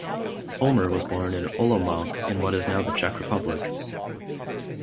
Ulmer was born in Olomouc, in what is now the Czech Republic.